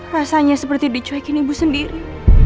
rasanya seperti dicuekin ibu sendiri